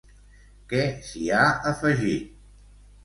Què s'hi ha afegit?